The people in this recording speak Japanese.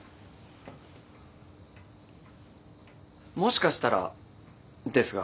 もしかしたらですが。